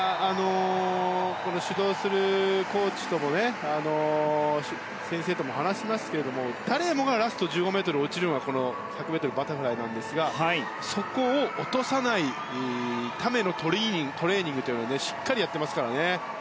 指導するコーチとも先生とも話しますけど誰もがラスト１５ｍで落ちるのが１００ｍバタフライなんですがそこを落とさないためのトレーニングをしっかりやってますからね。